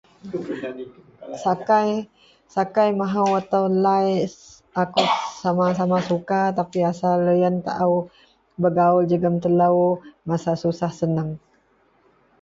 Sakai sàkai mahou atau lai apah sama-sama suka tapi asel loyen taao begaul jegem telo masa susah senang.